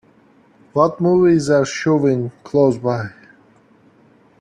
What movies are showing close by